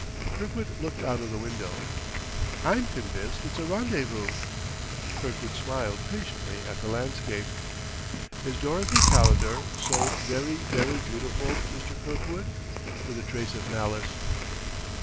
Kirkwood looked out of the window. "I'm convinced it's a rendezvous...?" Kirkwood smiled patiently at the landscape. "Is Dorothy Calendar so very, very beautiful, Mr. Kirkwood?" with a trace of malice.